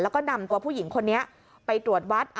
แล้วก็นำตัวผู้หญิงคนนี้ไปตรวจวัด